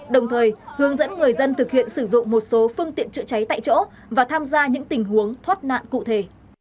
đồng thời hướng dẫn người dân thực hiện sử dụng một số phương tiện chữa cháy tại chỗ và tham gia những tình huống thoát nạn cụ thể